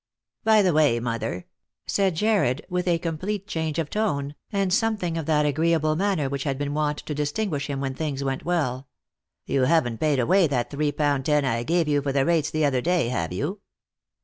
" By the way, mother," said Jarred, with a complete change of tone, and something of that agreeable manner which had been wont to distinguish him when things went well, " you haven't paid away that three pound ten I gave you for the rates the other day, have you